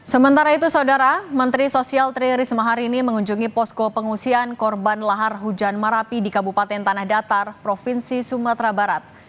sementara itu saudara menteri sosial tri risma hari ini mengunjungi posko pengungsian korban lahar hujan marapi di kabupaten tanah datar provinsi sumatera barat